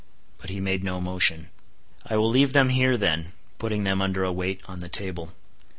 But he made no motion. "I will leave them here then," putting them under a weight on the table.